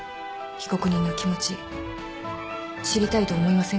被告人の気持ち知りたいと思いませんか？